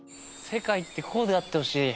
世界ってこうであってほしい。